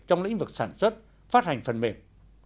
trong lĩnh vực sản xuất phát hành phần mềm